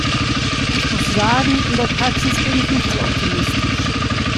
Ich muss sagen, in der Praxis bin ich nicht so optimistisch.